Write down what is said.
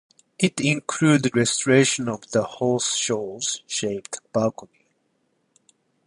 It included restoration of the horseshoe-shaped balcony.